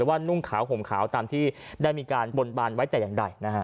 นุ่งขาวห่มขาวตามที่ได้มีการบนบานไว้แต่อย่างใดนะฮะ